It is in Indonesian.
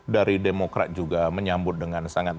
dari demokrat juga menyambut dengan sangat